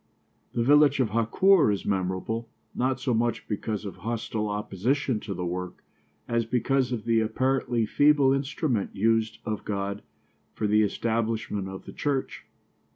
The village of Hakoor is memorable, not so much because of hostile opposition to the work as because of the apparently feeble instrument used of God for the establishment of the church.